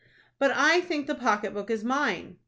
"But I think the pocket book is mine."